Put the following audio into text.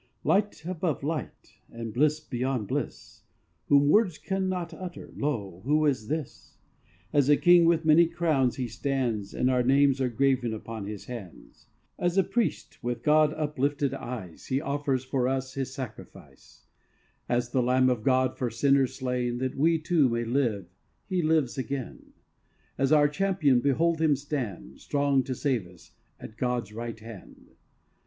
Light above light, and Bliss beyond bliss, Whom words cannot utter, lo, Who is This? As a King with many crowns He stands, And our names are graven upon His hands; As a Priest, with God uplifted eyes, He offers for us His Sacrifice; As the Lamb of God for sinners slain, That we too may live He lives again; As our Champion behold Him stand, Strong to save us, at God's Right Hand.